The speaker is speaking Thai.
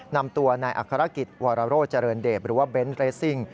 นำตัวในอักษรกิจวารโรจริย์เดบหรือว่าเบนส์เรซิ่ง